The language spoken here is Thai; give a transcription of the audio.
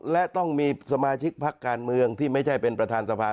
และต้องมีสมาชิกพักการเมืองที่ไม่ใช่เป็นประธานสภา